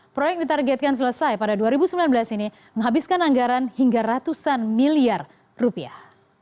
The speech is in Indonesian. proyek ditargetkan selesai pada dua ribu sembilan belas ini menghabiskan anggaran hingga ratusan miliar rupiah